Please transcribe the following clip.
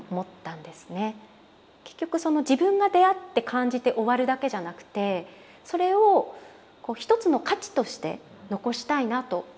結局自分が出会って感じて終わるだけじゃなくてそれを一つの価値として残したいなと思いました。